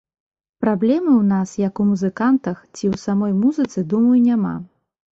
Праблемы ў нас, як у музыкантах, ці ў самой музыцы, думаю, няма.